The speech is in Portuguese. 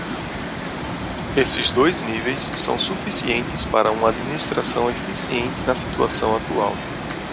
Esses dois níveis são suficientes para uma administração eficiente na situação atual.